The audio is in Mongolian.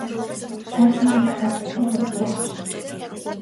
Тайлан нь дахиад гучин хуудастай аж.